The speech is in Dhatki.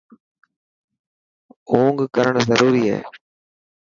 اونگ ڪرڻ ضروري هي.